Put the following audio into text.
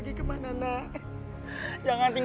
kenapa sudah birding